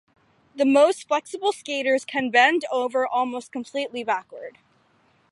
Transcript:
The most flexible skaters can bend over almost completely backward.